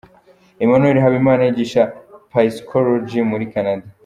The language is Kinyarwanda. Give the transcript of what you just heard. Emmanuel Habimana yigisha psychologie muri Canada.